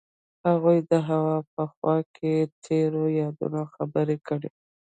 هغوی د هوا په خوا کې تیرو یادونو خبرې کړې.